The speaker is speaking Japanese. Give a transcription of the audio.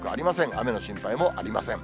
雨の心配もありません。